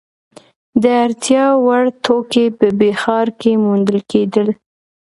د اړتیا وړ توکي په ب ښار کې موندل کیدل.